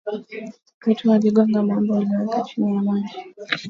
wetu aligonga mwamba uliowekwa chini ya maji na